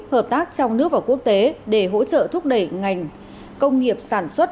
hợp tác trong nước và quốc tế để hỗ trợ thúc đẩy ngành công nghiệp sản xuất